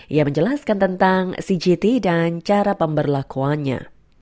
ia menjelaskan tentang cgt dan cara pemberlakuannya